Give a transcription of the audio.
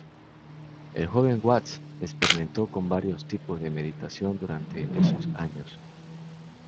El joven Watts experimentó con varios tipos de meditación durante esos años.